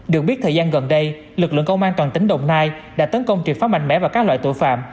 được biết thời gian gần đây lực lượng công an toàn tính đồng nai đã tấn công triệt pháp mạnh mẽ và các loại tội phạm